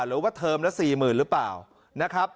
หรือว่าเทอมละ๔๐๐๐๐หรือเปล่า